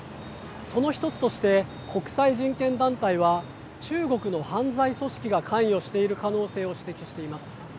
その１つとして国際人権団体は中国の犯罪組織が関与している可能性を指摘しています。